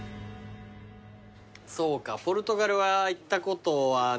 そうかポルトガルは行ったことはない？